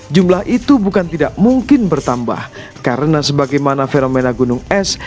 jumlah itu bukan tidak mungkin bertambah karena sebagaimana fenomena gunung es